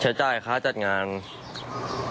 ใช้จ่ายค่าจัดงาน